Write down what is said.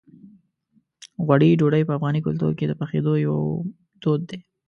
غوړي ډوډۍ په افغاني کلتور کې د پخېدو یو دود دی.